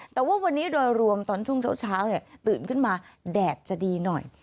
แต่ว่าวันนี้โดยรวมตอนช่วงเช้าตื่นขึ้นมาแดดจะดีหน่อย